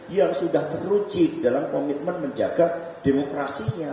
yang sudah teruji dalam komitmen menjaga demokrasinya